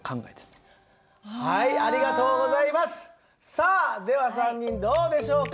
さあでは３人どうでしょうか？